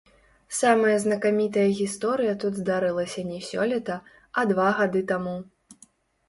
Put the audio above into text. Самая знакамітая гісторыя тут здарылася не сёлета, а два гады таму.